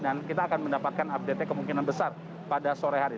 dan kita akan mendapatkan update nya kemungkinan besar pada sore hari